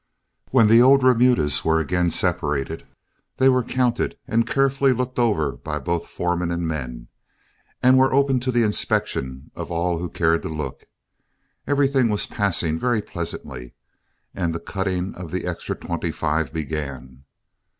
When the old remudas were again separated, they were counted and carefully looked over by both foremen and men, and were open to the inspection of all who cared to look. Everything was passing very pleasantly, and the cutting of the extra twenty five began.